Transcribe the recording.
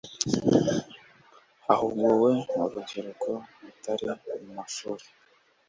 hahuguwe urubyiruko rutari mu mashuri